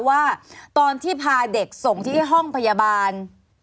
ว่าตอนที่พาเด็กส่งที่ห้องพยาบาล